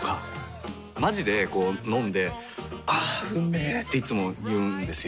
まじでこう飲んで「あーうんめ」っていつも言うんですよ。